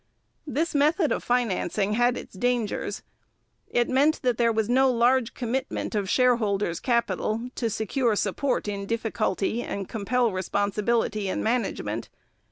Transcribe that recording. This method of financing had its dangers. It meant that there was no large commitment of shareholders' capital, to secure support in difficulty and compel responsibility in management.